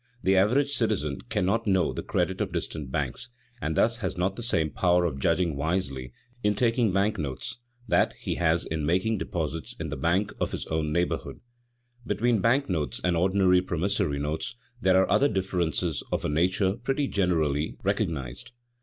The average citizen cannot know the credit of distant banks, and thus has not the same power of judging wisely in taking bank notes that he has in making deposits in the bank of his own neighborhood. Between bank notes and ordinary promissory notes, there are other differences of a nature pretty generally recognized.